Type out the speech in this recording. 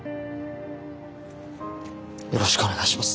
よろしくお願いします。